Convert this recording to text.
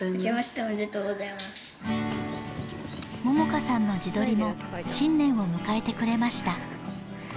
萌々花さんの自撮りも新年を迎えてくれました